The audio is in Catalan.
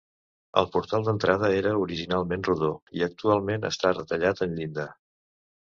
El portal de l'entrada era originalment rodó i actualment està retallat en llinda.